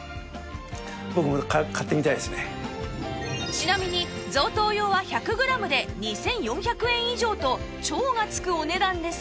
ちなみに贈答用は１００グラムで２４００円以上と「超」が付くお値段ですが